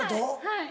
はい。